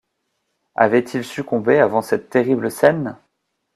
Avait-il succombé avant cette terrible scène?